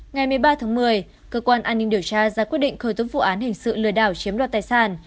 ngày một mươi ba tháng một mươi cơ quan an ninh điều tra ra quyết định khởi tố vụ án hình sự lừa đảo chiếm đoạt tài sản